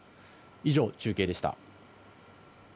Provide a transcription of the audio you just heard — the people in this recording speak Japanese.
以上、中継でした。